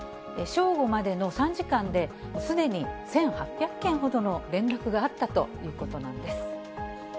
正午までの３時間で、すでに１８００件ほどの連絡があったということなんです。